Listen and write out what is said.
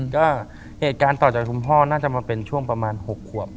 ก็เหตุการณ์ต่อจากคุณพ่อน่าจะมาเป็นช่วงประมาณ๖ขวบ